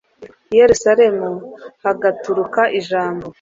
i yerusalemu hagaturuka ijambo